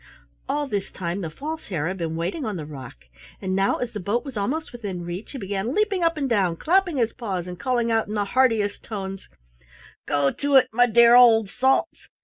All this time the False Hare had been waiting on the rock, and now as the boat was almost within reach, he began leaping up and down, clapping his paws and calling out in the heartiest tones: "Go it, my dear old Salts!